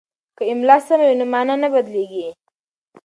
که املا سمه وي نو مانا نه بدلیږي.